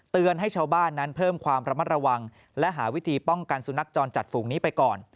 ให้ชาวบ้านนั้นเพิ่มความระมัดระวังและหาวิธีป้องกันสุนัขจรจัดฝูงนี้ไปก่อน